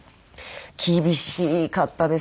厳しかったですね。